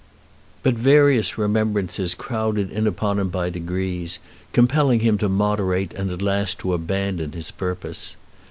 But various remembrances crowded in upon him by degrees, compelling him to moderate and at last to abandon his purpose.